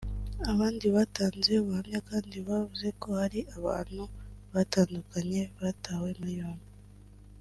Abandi batanze ubuhamya kandi bavuze ko hari abantu batandukanye batawe muri yombi